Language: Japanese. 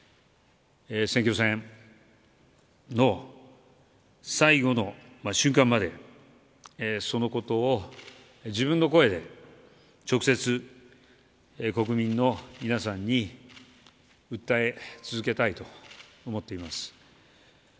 選挙戦の最後の瞬間までそのことを自分の声で直接国民の皆さんに訴え続けたいと思っています。